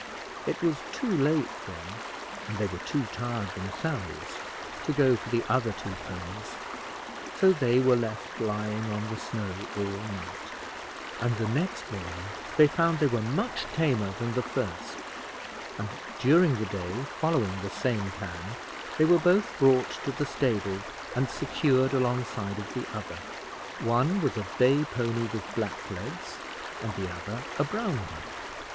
It was too late then, and they were too tired themselves to go for the other two ponies; so they were left lying on the snow all night, and the next morning they found they were much tamer than the first; and during the day, following the same plan, they were both brought to the stable and secured alongside of the other. One was a bay pony with black legs, and the other a brown one.